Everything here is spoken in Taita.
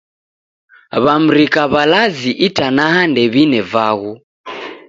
W'amrika w'alazi itanaha ndew'ine vaghu